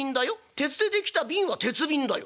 鉄で出来た瓶は鉄瓶だよ」。